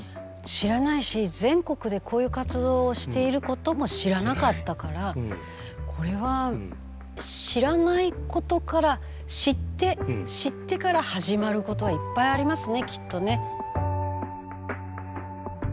知らないし全国でこういう活動をしていることも知らなかったからこれは知らないことから知って知ってから始まることはいっぱいありますねきっとね。